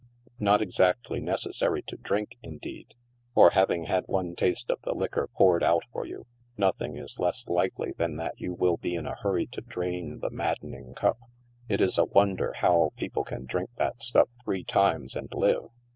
Not exactly necessary to drink, indeed 5 for, having had one taste of the liquor poured out for you, nothing is less likely than that you will be in a hurry to drain the maddening cup. It is a wonder how people can drink that stuff three times and live.